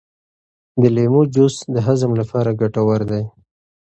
د لیمو جوس د هضم لپاره ګټور دی.